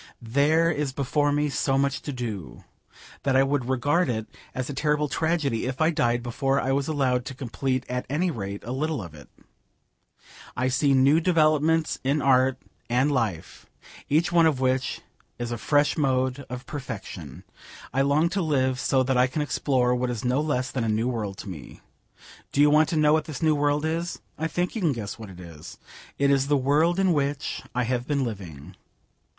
There is before me so much to do, that I would regard it as a terrible tragedy if I died before I was allowed to complete at any rate a little of it. I see new developments in art and life, each one of which is a fresh mode of perfection. I long to live so that I can explore what is no less than a new world to me. Do you want to know what this new world is? I think you can guess what it is. It is the world in which I have been living.